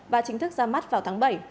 và chính thức ra mắt vào tháng bảy